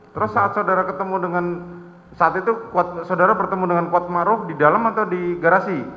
terus saat saudara ketemu dengan saat itu saudara bertemu dengan kuat maruf di dalam atau di garasi